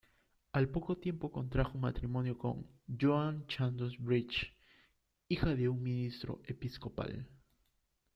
Al poco tiempo contrajo matrimonio con Joan Chandos Bridge, hija de un ministro episcopal.